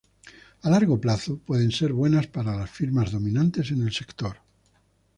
A largo plazo, pueden ser buenas para las firmas dominantes en el sector.